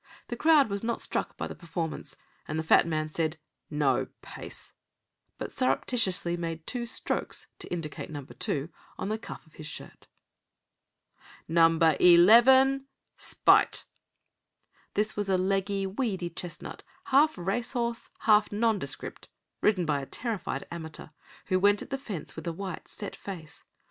The crowd was not struck by the performance, and the fat man said: "No pace!" but surreptitiously made two strokes (to indicate Number Two) on the cuff of his shirt. "Number Eleven, Spite!" This was a leggy, weedy chestnut, half racehorse, half nondescript, ridden by a terrified amateur, who went at the fence with a white, set face.